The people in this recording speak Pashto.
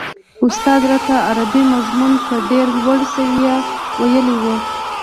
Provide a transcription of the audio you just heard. استاد راته عربي مضمون په ډېره لوړه سويه ويلی و.